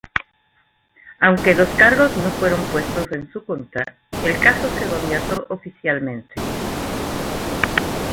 Aunque los cargos no fueron puestos en su contra, el caso quedó abierto oficialmente.